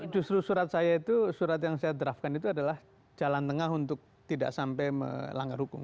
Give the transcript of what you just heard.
justru surat saya itu surat yang saya draftkan itu adalah jalan tengah untuk tidak sampai melanggar hukum